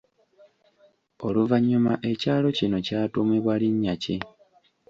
Oluvannyuma ekyalo kino kyatuumibwa linnya ki?